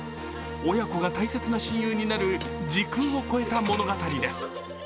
親子が大切な親友になる時空を超えた物語です。